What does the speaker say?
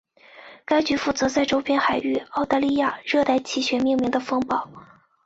该局负责在周边海域澳大利亚热带气旋命名的风暴。